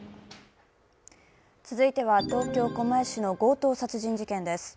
続いては東京・狛江市の強盗殺人事件です。